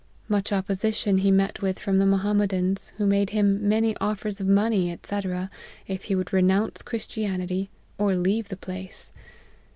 Much opposition he met with from the Mohammedans, who made him many offers of money, &c., if he would re nounce Christianity, or leave the place.